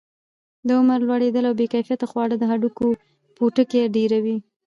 د عمر لوړېدل او بې کیفیته خواړه د هډوکو پوکي ډیروي.